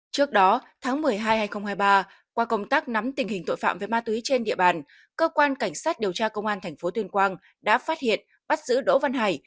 trước đó tháng một mươi hai hai nghìn hai mươi ba qua công tác nắm tình hình tội phạm về ma túy trên địa bàn cơ quan cảnh sát điều tra công an tp tuyên quang đã phát hiện bắt giữ đỗ văn hải